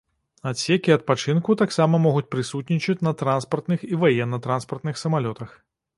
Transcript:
Адсекі адпачынку таксама могуць прысутнічаць на транспартных і ваенна-транспартных самалётах.